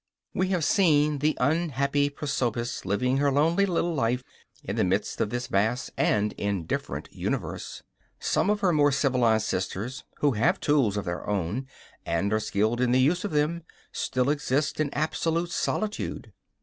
We have seen the unhappy prosopis living her lonely little life in the midst of this vast and indifferent universe. Some of her more civilized sisters, who have tools of their own and are skilled in the use of them, still exist in absolute solitude.